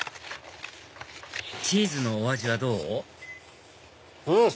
チーズのお味はどう？